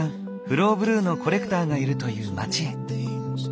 フローブルーのコレクターがいるという町へ。